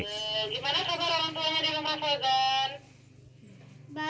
gimana sama orang tua di rumah fadlan